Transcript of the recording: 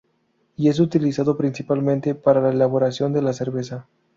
Y es utilizado principalmente para la elaboración de la cerveza.